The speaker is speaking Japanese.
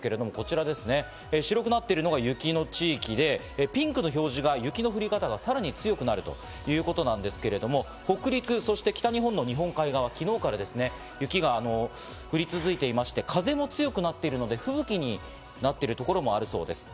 白くなっているのが雪、ピンクがさらに雪が強くなるということなんですが、北陸、そして北日本の日本海側、昨日から雪が降り続いていまして、吹雪になっているところもあるそうです。